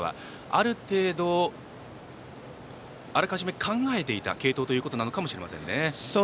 ある程度、あらかじめ考えていた継投ということかもしれませんね。